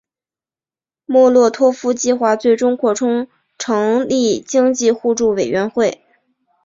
莫洛托夫计划最终扩充成立经济互助委员会。